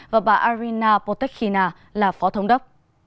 và bà arina potekhina là phó thống đốc